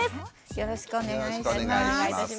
よろしくお願いします。